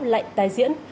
lệnh tài diễn